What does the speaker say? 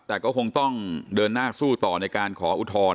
แต่ก็คงต้องเดินหน้าสู้ต่อในการขออุทธรณ์